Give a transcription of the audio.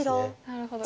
なるほど。